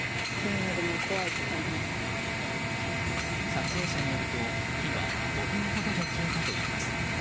撮影者によると火は５分ほどで消えたといいます。